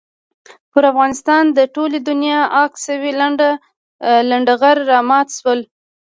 پر افغانستان د ټولې دنیا عاق شوي لنډه غر را مات شول.